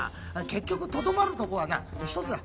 結局とどまるとこはなひとつだ。